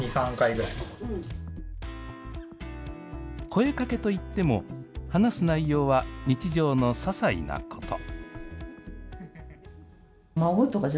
声かけといっても、話す内容は日常のささいなこと。